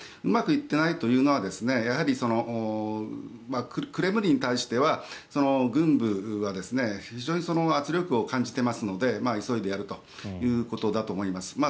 うまくいってないというのはクレムリンに対しては、軍部は非常に圧力を感じてますので急いでやるということだと思います。